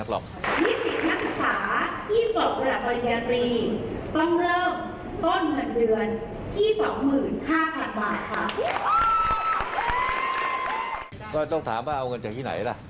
คุณต้องคุยว่าเอาเงินจากไหนล่ะ